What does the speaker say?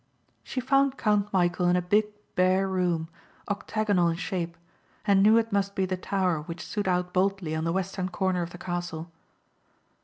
She found Count Michæl in a big bare room, octagonal in shape and knew it must be the tower which stood out boldly on the western corner of the castle.